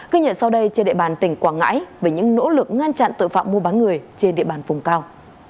ghi nhận sau đây trên địa bàn tỉnh quảng ngãi về những nỗ lực ngăn chặn tội phạm mua bán người trên địa bàn vùng cao